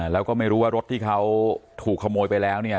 แล้วก็ไม่รู้ว่ารถที่เขาถูกขโมยไปแล้วเนี่ย